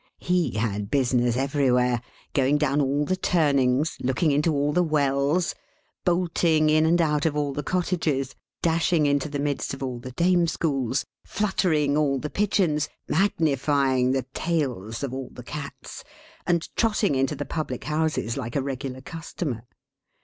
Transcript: He had business everywhere; going down all the turnings, looking into all the wells, bolting in and out of all the cottages, dashing into the midst of all the Dame Schools, fluttering all the pigeons, magnifying the tails of all the cats, and trotting into the public houses like a regular customer.